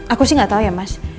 aku sih gak tau ya mas